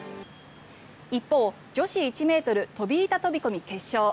一方、女子１ｍ飛板飛込決勝。